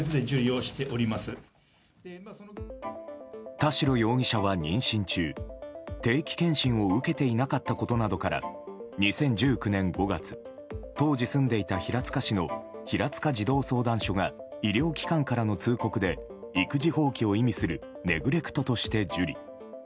田代容疑者は妊娠中定期検診を受けていなかったことなどから２０１９年５月当時住んでいた平塚市の平塚児童相談所が医療機関からの通告で育児放棄を意味するネグレクトとして受理。